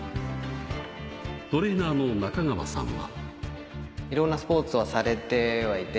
トレーナーの中川さんは。